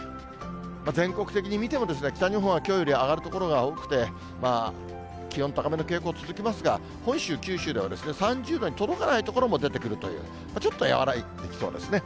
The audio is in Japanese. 全国的に見ても、北日本はきょうより上がる所が多くて、気温高めの傾向、続きますが、本州、九州では３０度に届かない所も出てくるという、ちょっと和らいできそうですね。